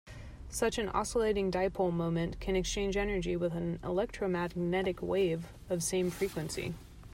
Such an oscillating dipole moment can exchange energy with an electromagnetic wave of same frequency.